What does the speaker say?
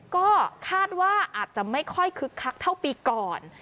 ก็คาดว่าอาจจะไม่ค่อยคึกคักเท่าปีก่อน